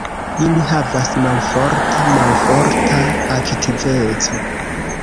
Ili havas malforta malforta aktiveco.